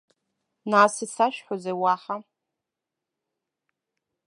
Нас, исашәҳәозеи уаҳа?